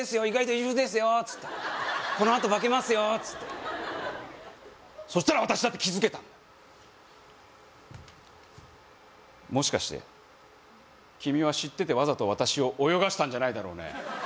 意外と優秀ですよっつってこのあと化けますよっつってそしたら私だって気づけたもしかして君は知っててわざと私を泳がしたんじゃないだろうね？